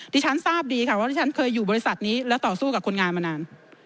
ที่ฉันทราบดีค่ะว่าที่ฉันเคยอยู่บริษัทนี้แล้วต่อสู้กับคนงานมานาน